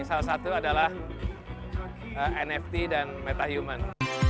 salah satu adalah nft dan metahuman